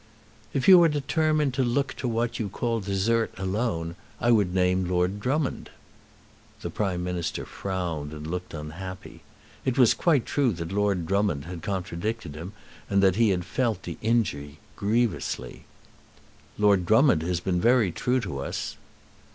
"If you are determined to look to what you call desert alone, I would name Lord Drummond." The Prime Minister frowned and looked unhappy. It was quite true that Lord Drummond had contradicted him, and that he had felt the injury grievously. "Lord Drummond has been very true to us."